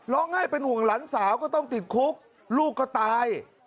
ร้องไห้เป็นห่วงหลานสาวก็ต้องติดคุกลูกก็ตาย